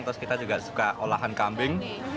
terus kita juga suka olahan kambing